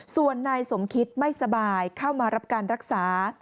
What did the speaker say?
ส่วนนายสมคิดไม่สบายเข้ามารับการรักษา